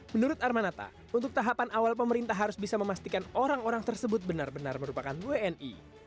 menurut armanata untuk tahapan awal pemerintah harus bisa memastikan orang orang tersebut benar benar merupakan wni